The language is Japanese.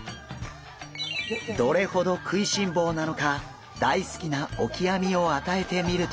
どれほど食いしん坊なのか大好きなオキアミを与えてみると。